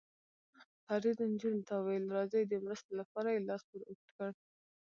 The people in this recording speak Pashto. فرید نجونو ته وویل: راځئ، د مرستې لپاره یې لاس ور اوږد کړ.